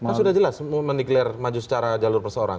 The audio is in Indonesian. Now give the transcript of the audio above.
kan sudah jelas mau meniklir maju secara jalur persoalan